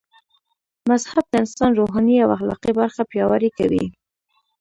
مذهب د انسان روحاني او اخلاقي برخه پياوړي کوي